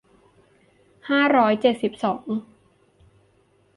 ห้าร้อยเจ็ดสิบสอง